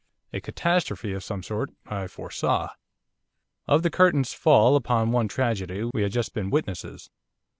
A catastrophe of some sort I foresaw. Of the curtain's fall upon one tragedy we had just been witnesses.